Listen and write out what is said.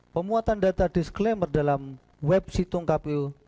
pemuatan data disclaimer dalam web situng kpu